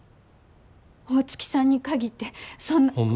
大月さんに限ってそんな。